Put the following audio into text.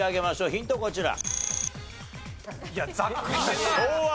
ヒントこちら。